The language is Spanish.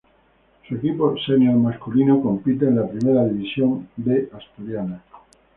Su equipo senior masculino compite en la Primera División B Asturiana.